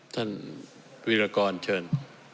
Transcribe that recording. ท่านวิรากรเชิญ